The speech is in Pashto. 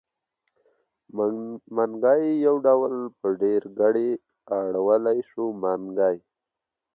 منګی يو ډول په ډېرګړي اړولی شو؛ منګي.